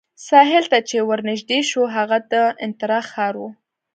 ساحل ته چې ورنژدې شوو، هغه د انترا ښار وو.